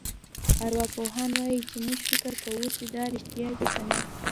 ارواپوهان وايي چې موږ فکر کوو چې دا رېښتیا دي کنه.